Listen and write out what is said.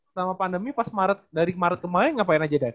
selama pandemi pas maret dari maret ke maret ngapain aja daryl